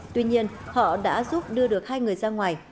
tuy nhiên họ đã giúp đưa được hai người ra ngoài